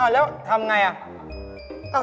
อ้าวแล้ละทำอย่างไร